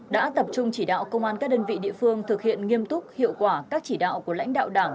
đã tập trung chỉ đạo công an các đơn vị địa phương thực hiện nghiêm túc hiệu quả các chỉ đạo của lãnh đạo đảng